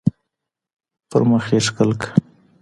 پر مخ يې ښكل كړه